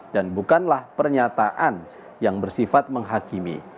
dan bukanlah pernyataan yang bersifat menghakimi